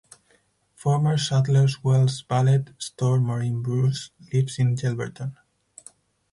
Former Sadlers Wells Ballet star Maureen Bruce lives in Yelverton.